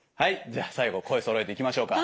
じゃあ最後声そろえていきましょうか。